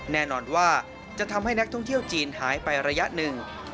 แน่นอนว่าจะทำให้นักท่องเที่ยวจีนหายไประยะหนึ่ง